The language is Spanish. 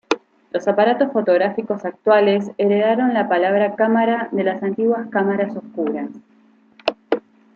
Los aparatos fotográficos actuales heredaron la palabra cámara de las antiguas cámaras oscuras.